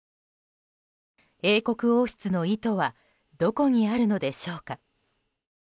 英国王室の意図はどこにあるのでしょうか。